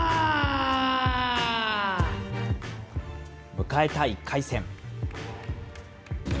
迎えた１回戦。